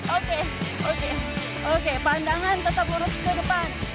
oke oke oke pandangan tetap lurus ke depan